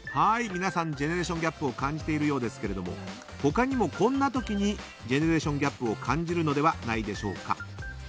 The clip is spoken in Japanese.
皆さんジェネレーションギャップを感じているようですが他にも、こんな時にジェネレーションギャップを感じるのではないでしょうか。